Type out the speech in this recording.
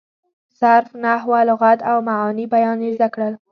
صرف، نحو، لغت او معاني بیان یې زده کړل.